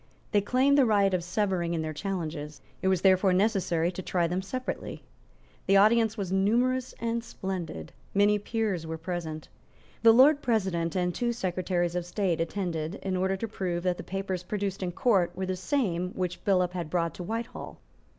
They claimed the right of severing in their challenges. It was therefore necessary to try them separately. The audience was numerous and splendid. Many peers were present. The Lord President and the two Secretaries of State attended in order to prove that the papers produced in Court were the same which Billop had brought to Whitehall.